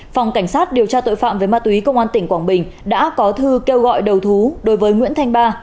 phòng cảnh sát điều tra tội phạm về ma túy công an tỉnh quảng bình đã có thư kêu gọi đầu thú đối với nguyễn thanh ba